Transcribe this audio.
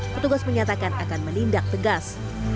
petugas menyatakan akan menindak tegas